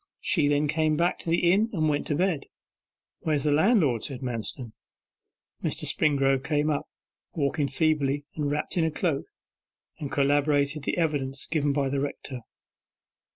She then came back to the inn and went to bed.' 'Where's the landlord?' said Manston. Mr. Springrove came up, walking feebly, and wrapped in a cloak, and corroborated the evidence given by the rector.